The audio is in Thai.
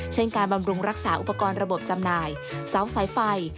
การบำรุงรักษาอุปกรณ์ระบบจำหน่ายเสาสายไฟ